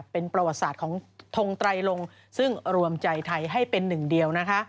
เป็นประวัติศาสตร์ของทงไตรลงซึ่งรวมใจไทยให้เป็นหนึ่งเดียวนะคะ